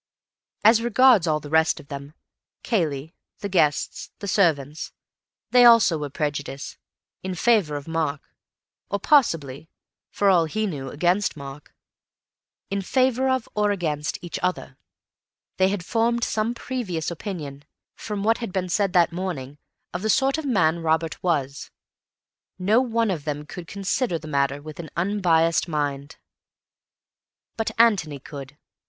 As regards all the rest of them—Cayley, the guests, the servants—they also were prejudiced; in favour of Mark (or possibly, for all he knew, against Mark); in favour of, or against, each other; they had formed some previous opinion, from what had been said that morning, of the sort of man Robert was. No one of them could consider the matter with an unbiased mind. But Antony could.